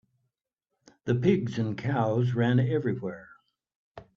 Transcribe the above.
The pigs and cows ran everywhere.